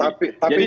tapi dalam hal ini